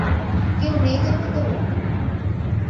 কেউ নেই তো ভেতরে?